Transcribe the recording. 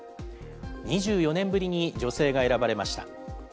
２４年ぶりに女性が選ばれました。